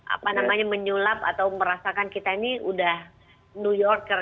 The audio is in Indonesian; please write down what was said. apa namanya menyulap atau merasakan kita ini udah new yorker